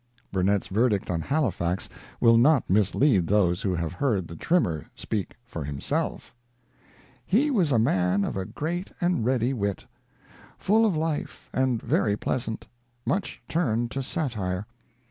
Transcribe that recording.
Burnet's verdict on Halifax will not mislead those who have heard the Trimmer speak for himself :' He was a man of a great and ready wit ; full of life, and very pleasant ; much turned to satire.